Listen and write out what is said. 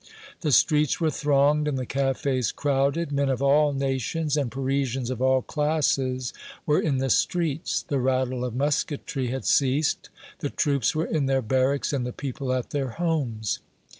The streets were thronged and the cafés crowded; men of all nations and Parisians of all classes were in the streets; the rattle of musketry had ceased; the troops were in their barracks and the people at their homes.